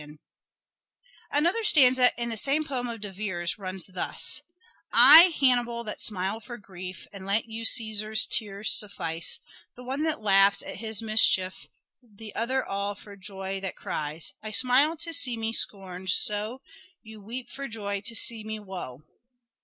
Hidden Another stanza in the same poem of De Vere's runs suffering thus :—" I Hannibal that smile for grief And let you Ceasar's tears suffice, The one that laughs at his mischief The other all for joy that cries. I smile to see me scorned so, You weep for joy to see me woe."